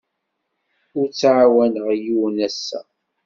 Ur ttɛawaneɣ yiwen ass-a.